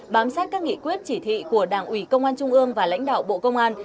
bám sát các nghị quyết chỉ thị của đảng ủy công an trung ương và lãnh đạo bộ công an